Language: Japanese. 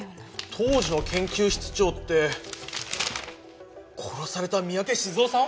当時の研究室長って殺された三宅鎮男さん！？